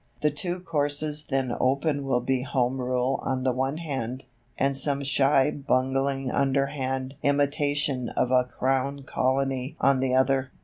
The two courses then open will be Home Rule on the one hand, and some shy bungling underhand imitation of a Crown Colony on the other.